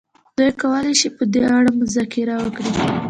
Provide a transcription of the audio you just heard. دوی کولای شي په دې اړه مذاکره وکړي.